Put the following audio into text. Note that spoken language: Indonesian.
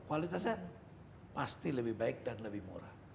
kualitasnya pasti lebih baik dan lebih murah